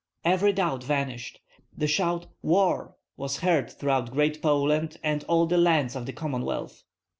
Every doubt vanished. The shout, "War!" was heard throughout Great Poland and all the lands of the Commonwealth.